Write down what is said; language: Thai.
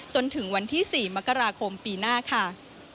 จนถึงวันที่๔มกราคมปีหน้าค่ะ